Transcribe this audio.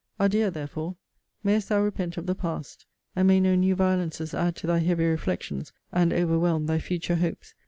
Adieu, therefore! Mayst thou repent of the past! and may no new violences add to thy heavy reflections, and overwhelm thy future hopes!